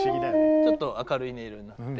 ちょっと明るい音色になって。